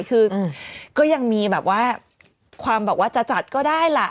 คือก็ยังมีแบบว่าความบอกว่าจะจัดก็ได้ล่ะ